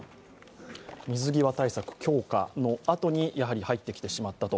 水際対策強化のあとにやはり入ってきてしまったと。